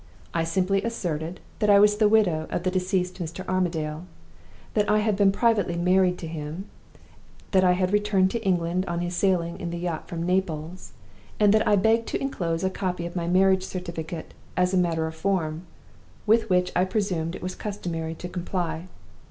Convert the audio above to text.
I simply asserted that I was the widow of the deceased Mr. Armadale; that I had been privately married to him; that I had returned to England on his sailing in the yacht from Naples; and that I begged to inclose a copy of my marriage certificate, as a matter of form with which I presumed it was customary to comply.